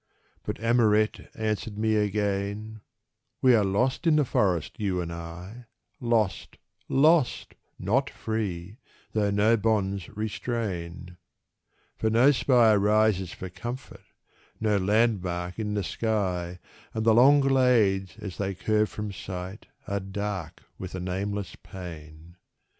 But Amoret answered me again: "We are lost in the forest, you and I; Lost, lost, not free, though no bonds restrain; For no spire rises for comfort, no landmark in the sky, And the long glades as they curve from sight are dark with a nameless pain.